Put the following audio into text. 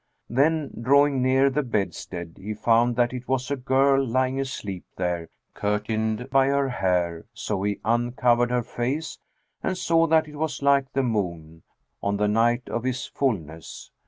Then, drawing near the bedstead, he found that it was a girl lying asleep there, curtained by her hair; so he uncovered her face and saw that it was like the moon, on the night of his fulness.